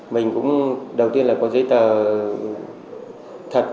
mình cũng đầu tiên là có giấy tờ thật